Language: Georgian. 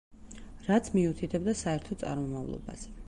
რაც მიუთითებდა საერთო წარმომავლობაზე.